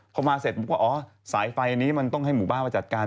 พอมาเสร็จผมก็อ๋อสายไฟนี้มันต้องให้หมู่บ้านมาจัดการ